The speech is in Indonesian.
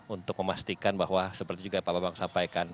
untuk memastikan bahwa seperti juga pak abang bang sampaikan